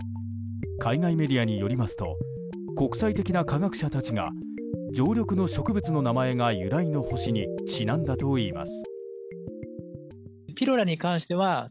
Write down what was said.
海外メディアによりますと国際的な科学者たちが常緑の植物の名前が来の星にちなんだといいます。